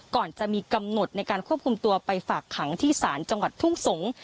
ก่อนจะมีกำหนดในการควบคุมตัวไปฝากขังที่ศาลจังหวัดทุ่งสงศ์